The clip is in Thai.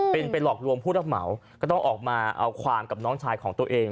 เป็นไปหลอกลวงผู้รับเหมาก็ต้องออกมาเอาความกับน้องชายของตัวเอง